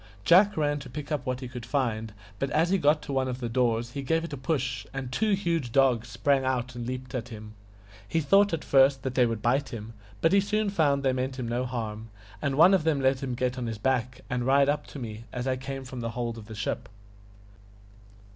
Jack ran to pick up what he could find, but as he got to one of the doors he gave it a push, and two huge dogs sprang out and leaped at him. He thought at first that they would bite him, but he soon found that they meant him no harm, and one of them let him get on his back and ride up to me as I came from the hold of the ship.